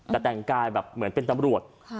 แต่แต่งกายเหมือนมันเป็นจำลวจ